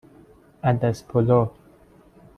عدس پلو